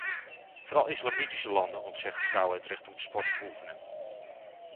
Vooral islamitische landen ontzeggen vrouwen het recht sport te beoefenen.